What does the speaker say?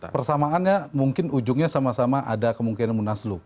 persamaannya mungkin ujungnya sama sama ada kemungkinan munaslup